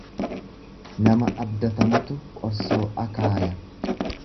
Nama abdatamutu qoorsoo akaaya.